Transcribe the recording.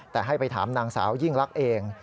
แต่ให้ไปถามนางสาวยิ่งลักษณ์เอง